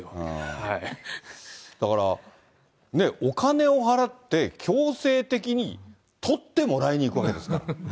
だから、ねっ、お金を払って、強制的に取ってもらいに行くわけですから。